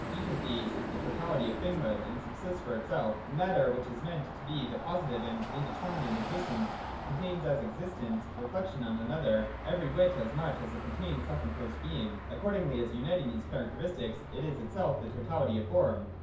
Each of these is the totality of thinghood and subsists for itself But Matter, which is meant to be the positive and indeterminate existence, contains, as an existence, reflection on another, every whit as much as it contains selfenclosed being. Accordingly as uniting these characteristics, it is itself the totality of Form.